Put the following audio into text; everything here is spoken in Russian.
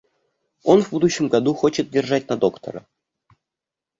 Он в будущем году хочет держать на доктора.